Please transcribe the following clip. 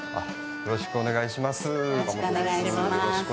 よろしくお願いします。